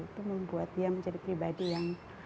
itu membuat dia menjadi pribadi yang